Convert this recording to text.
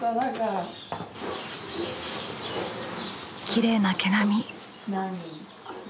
きれいな毛並み。